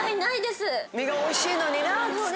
身がおいしいのになつって。